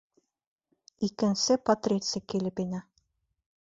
Икенсе патриций килеп инә.